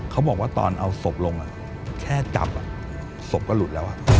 เขาบอกว่าตอนเอาศพลงแค่จับศพก็หลุดแล้ว